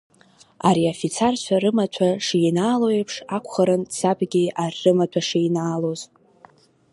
Ари афицарцәа рымаҭәа шинаало еиԥш акәхарын сабгьы ар рымаҭәа шинаалоз!